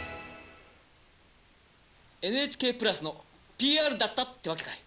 ＮＨＫプラスのＰＲだったってわけかい。